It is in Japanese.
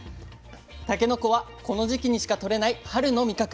たけのこはこの時期にしかとれない春の味覚。